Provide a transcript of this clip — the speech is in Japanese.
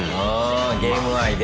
ゲーム愛で。